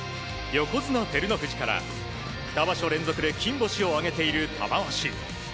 横綱・照ノ富士から２場所連続で金星を挙げている玉鷲。